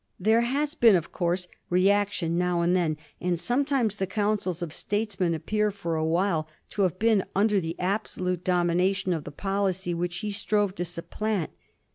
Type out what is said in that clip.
There has been, ofcourse, reaction now and then, and sometimes the counsels of statesmen appear for awhile to have been under the absolute domina tion of the policy which he strove to supplant.